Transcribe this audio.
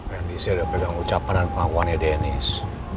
yang bisa dapet dalam ucapan dan pengakuannya denis